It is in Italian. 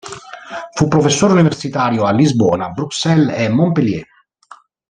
Fu professore universitario a Lisbona, Bruxelles e Montpellier.